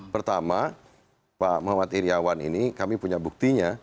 pertama pak muhammad iryawan ini kami punya buktinya